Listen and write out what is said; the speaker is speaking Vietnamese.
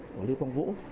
của lưu quang vũ